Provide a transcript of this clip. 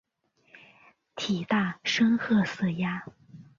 体大深褐色鸭。